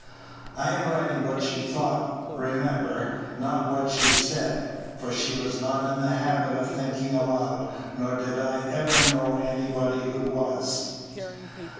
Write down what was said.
I am writing what she thought, remember, not what she said; for she was not in the habit of thinking aloud, nor did I ever know anybody who was.